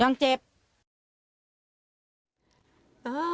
แม่ยังเจ็บอยู่ไหมยังเจ็บ